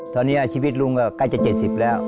ตอนนี้ชีวิตลุงก็ใกล้จะ๗๐แล้ว